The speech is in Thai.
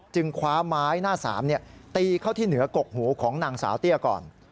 คว้าไม้หน้าสามตีเข้าที่เหนือกกหูของนางสาวเตี้ยก่อน